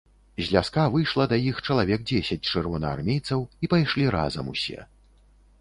З ляска выйшла да іх чалавек дзесяць чырвонаармейцаў і пайшлі разам усе.